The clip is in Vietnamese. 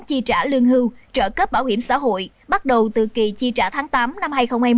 chi trả lương hưu trợ cấp bảo hiểm xã hội bắt đầu từ kỳ chi trả tháng tám năm hai nghìn hai mươi